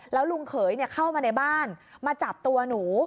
แล้วลุงเขยเข้ามาในบ้านมาจับตัวหนู